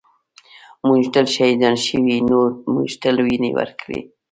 ًٍمونږ تل شهیدان شوي یُو مونږ تل وینې ورکــــړي